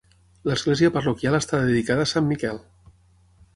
L'església parroquial està dedicada a Sant Miquel.